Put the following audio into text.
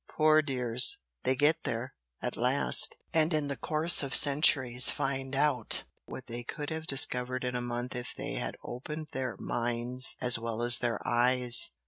Poor dears! they 'get there' at last and in the course of centuries find out what they could have discovered in a month if they had opened their minds as well as their eyes!"